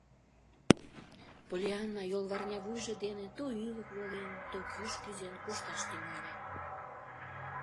Поллианна йолварнявуйжо дене то ӱлык волен, то кӱш кӱзен кушташ тӱҥале.